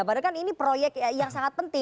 padahal kan ini proyek yang sangat penting